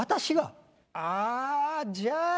ああじゃあ。